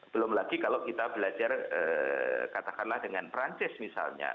belum lagi kalau kita belajar katakanlah dengan perancis misalnya